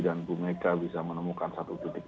dan bumega bisa menemukan satu titik